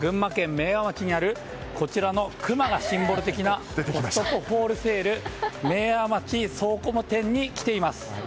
明和町にあるこちらのクマがシンボル的なコストコホールセール明和町倉庫店に来ています。